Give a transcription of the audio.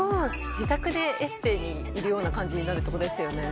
自宅でエステにいるような感じになるってことですよね